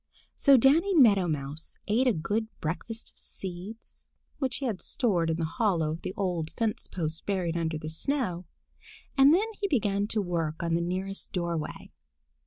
So Danny Meadow Mouse ate a good breakfast of seeds which he had stored in the hollow in the old fence post buried under the snow, and then he began work on the nearest doorway.